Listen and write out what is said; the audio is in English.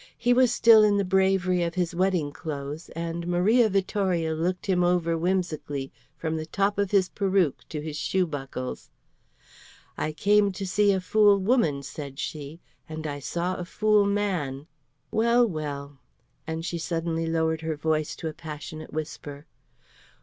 He was still in the bravery of his wedding clothes, and Maria Vittoria looked him over whimsically from the top of his peruke to his shoe buckles. "I came to see a fool woman," said she, "and I saw a fool man. Well, well!" and she suddenly lowered her voice to a passionate whisper.